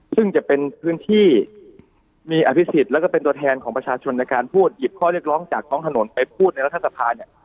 ซึ่งจะเป็นพื้นที่มีอภิษฎแล้วก็เป็นตัวแทนของประชาชนในการพูดหยิบข้อเรียกร้องจากท้องถนนไปพูดในรัฐสภาเนี่ย